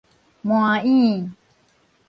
蔴潁